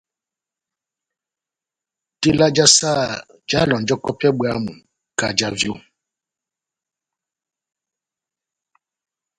Tela já saha jáhalɔnjɔkɔ pɛhɛ bwámu kahá já vyo.